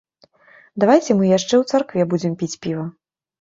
Давайце мы яшчэ ў царкве будзем піць піва?